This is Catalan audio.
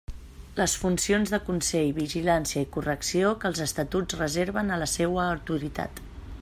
Les funcions de consell, vigilància i correcció que els Estatuts reserven a la seua autoritat.